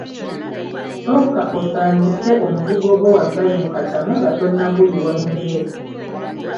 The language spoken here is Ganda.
Sooka osaanuuse omuzigo gwo wabbali mu katamu nga tonnaguyiwa mu mmere.